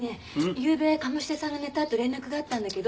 ゆうべ鴨志田さんが寝たあと連絡があったんだけど。